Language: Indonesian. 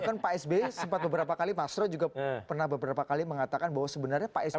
kan pak s b sempat beberapa kali pak sro juga pernah beberapa kali mengatakan bahwa sebenarnya pak s b